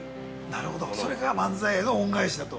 ◆なるほど、それが漫才への恩返しだと。